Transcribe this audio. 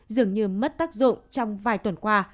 dường như mất tác dụng trong vài tuần qua